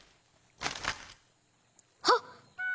はっ！